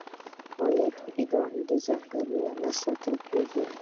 آیا د ایران ځنګلونه نه ساتل کیږي؟